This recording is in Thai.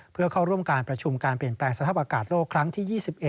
เพื่อเข้าร่วมการประชุมการเปลี่ยนแปลงสภาพอากาศโลกครั้งที่๒๑